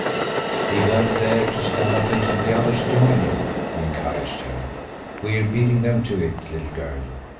"He won't dare to stand up until the others join him," he encouraged her. "We're beating them to it, little girl!